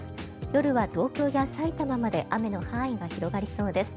夜は東京やさいたままで雨の範囲が広がりそうです。